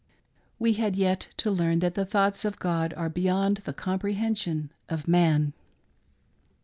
We had yet to learn that the thoughts of God are beyond the comprehen sion of man.